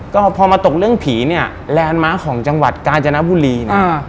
ก็พอมาตกเรื่องผีเนี่ยแลนด์มาร์คของจังหวัดกาญจนบุรีเนี่ย